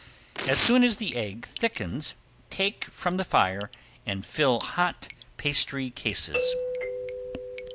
As soon as the egg thickens take from the fire and fill hot pastry cases.